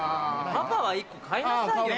パパは１個買いなさいよ。